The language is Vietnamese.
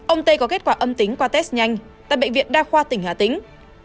ông tây có kết quả âm tính qua test nhanh tại bệnh viện đa khoa tỉnh hà tĩnh